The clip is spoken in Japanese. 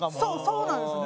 そうなんですよ！